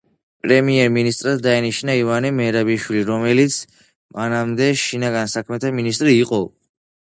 პრემიერ-მინისტრად დაინიშნა ივანე მერაბიშვილი, რომელიც მანამდე შინაგან საქმეთა მინისტრი იყო.